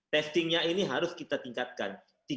testingnya ini harus kita tingkatkan